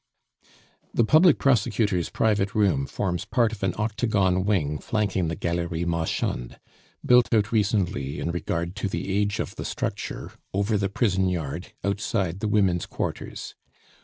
The public prosecutor's private room forms part of an octagon wing flanking the Galerie Marchande, built out recently in regard to the age of the structure, over the prison yard, outside the women's quarters.